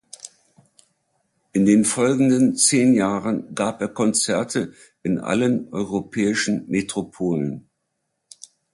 In den folgenden zehn Jahren gab er Konzerte in allen europäischen Metropolen.